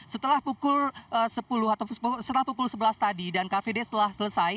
setelah pukul sepuluh atau setelah pukul sebelas tadi dan car free day setelah selesai